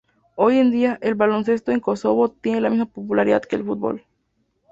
Hoy en día, el baloncesto en Kosovo tiene la misma popularidad que el fútbol.